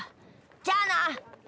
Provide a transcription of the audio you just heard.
じゃあな！